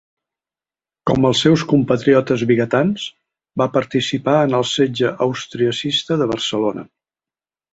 Com els seus compatriotes vigatans, va participar en el setge austriacista de Barcelona.